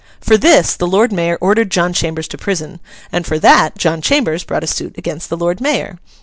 For this the Lord Mayor ordered John Chambers to prison, and for that John Chambers brought a suit against the Lord Mayor.